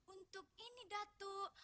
untuk ini datuk